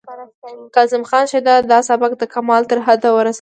کاظم خان شیدا دا سبک د کمال تر حده ورساوه